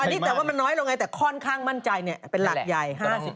อันนี้แต่ว่ามันน้อยลงไงแต่ค่อนข้างมั่นใจเป็นหลักใหญ่๕๐